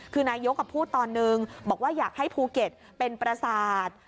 คือนายกพูดตอนนึงบอกว่าอยากให้ภูเก็ตเป็นประสาท